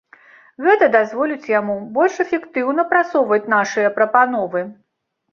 Гэта дазволіць яму больш эфектыўна прасоўваць нашыя прапановы.